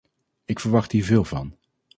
Ik verwacht hier veel van.